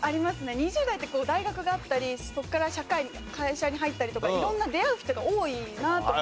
２０代ってこう大学があったりそこから会社に入ったりとか色んな出会う人が多いなと。